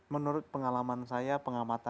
menurut pengalaman saya pengamatan